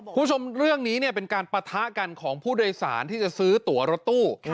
คุณผู้ชมเรื่องนี้เป็นการปะทะกันของผู้โดยสารที่จะซื้อตัวรถตู้